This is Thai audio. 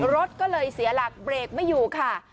รถฝีสีหลักเบรกไม่อยู่ค่ะ